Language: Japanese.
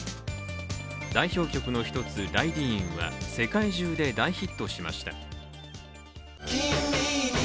代表曲の一つ、「ライディーン」は世界中で大ヒットしました。